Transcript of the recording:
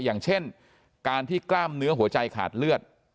อย่างเช่นการที่กล้ามเนื้อหัวใจขาดเลือด